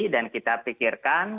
dan kita pikirkan